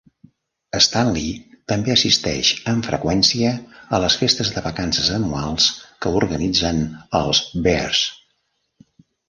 Staley també assisteix amb freqüència a les festes de vacances anuals que organitzen els Bears.